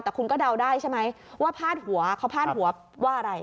แต่คุณก็เดาได้ใช่ไหมว่าพาดหัวเขาพาดหัวว่าอะไร